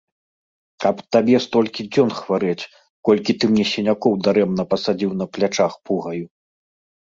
Каб табе столькі дзён хварэць, колькі ты мне сінякоў дарэмна пасадзіў на плячах пугаю!